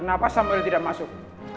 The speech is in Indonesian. kenapa samuel tidak masuk